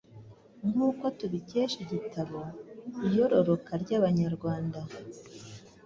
Nkuko tubikesha igitabo “Iyororoka ry’Abanyarwanda,